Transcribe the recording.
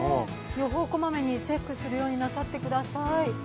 予報、こまめにチェックするようになさってください。